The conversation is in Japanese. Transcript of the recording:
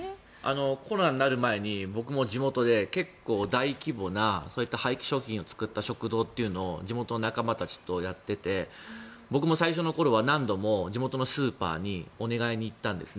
コロナになる前に僕も地元で結構、大規模なそういった廃棄商品を使った食堂というのを地元の仲間たちとやってて僕も最初の頃は何度も地元のスーパーにお願いに行ったんですね。